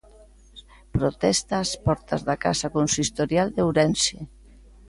Protesta ás portas da Casa Consistorial de Ourense.